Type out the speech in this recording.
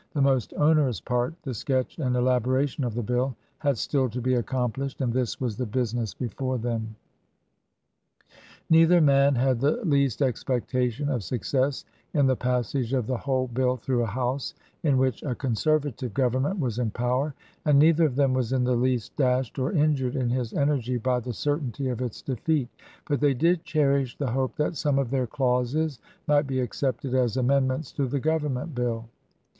The most onerous part, the sketch and elaboration of the Bill, had still to be accomplished, and this was the busi ness before them. TRANSITION. i6i Neither man had the least expectation of success in the passage of the whole Bill through a House in which a Conservative Government was in power, and neither of them was in the least dashed or injured in his energy by the certainty of its defeat But they did cherish the hope that some of their clauses might be accepted as amendments to the Government Bill.